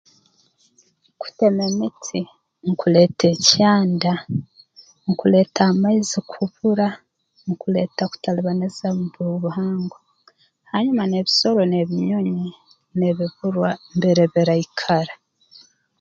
Kutema emiti nkuleeta ekyanda nkuleeta amaizi kubura nkuleeta kutalibaniza mu by'obuhangwa hanyuma n'ebisoro n'ebinyonyi nibiburwa mbere biraikara